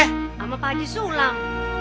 sama pak haji sulam